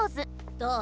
どう？